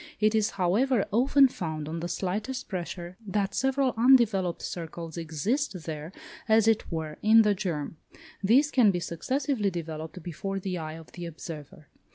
It is, however, often found, on the slightest pressure, that several undeveloped circles exist there, as it were, in the germ; these can be successively developed before the eye of the observer.